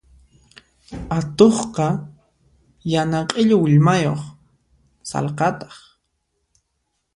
Atuqqa yana q'illu willmayuq sallqataq.